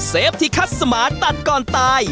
ฟที่คัดสมาตัดก่อนตาย